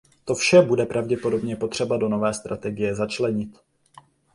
To vše bude pravděpodobně potřeba do nové strategie začlenit.